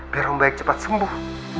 biar orang baik cepat sembuh